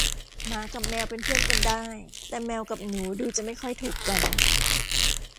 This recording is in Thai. หมากับแมวเป็นเพื่อนกันได้ แต่แมวกับหนูดูจะไม่ค่อยถูกกัน